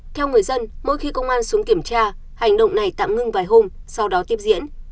theo người dân mỗi khi công an xuống kiểm tra hành động này tạm ngưng vài hôm sau đó tiếp diễn